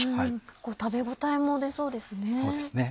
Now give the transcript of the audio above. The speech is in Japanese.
食べ応えも出そうですね。